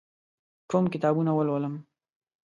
کوم کتابونه ولولم؟